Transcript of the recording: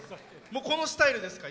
このスタイルですか？